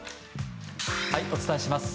お伝えします。